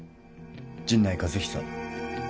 陣内一久。